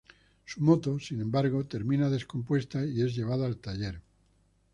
Su moto, sin embargo, termina descompuesta y es llevada al taller.